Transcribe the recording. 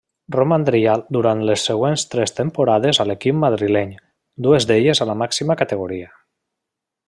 Romandria durant les següents tres temporades a l'equip madrileny, dues d'elles a la màxima categoria.